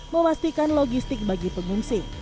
memastikan logistik bagi pengungsi